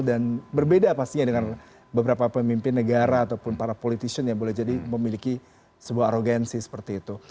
dan berbeda pastinya dengan beberapa pemimpin negara ataupun para politis yang boleh jadi memiliki sebuah arogansi seperti itu